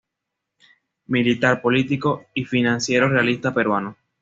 Militar, político y financiero realista peruano.